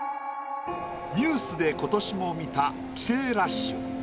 ニュースで今年も見た帰省ラッシュ。